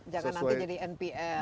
jangan nanti jadi npl